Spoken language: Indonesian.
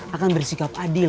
akan bersikap adil